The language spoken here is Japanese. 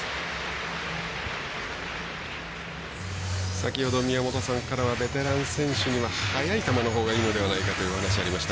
先ほど宮本さんからはベテラン選手には速い球のほうがいいのではないかというお話がありました。